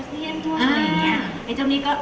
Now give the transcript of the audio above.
พี่น้องก็ยังรู้คนเดียก